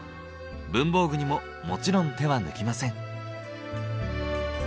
文房具にももちろん手は抜きません。